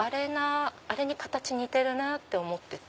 あれに形似てるなぁって思ってて。